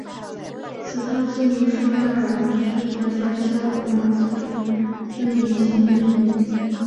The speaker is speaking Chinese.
此套字母受爱尔兰剧作家萧伯纳资助并以其命名。